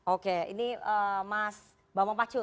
oke ini mas bapak pakcul